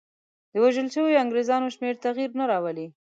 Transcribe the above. د وژل شویو انګرېزانو شمېر تغییر نه راولي.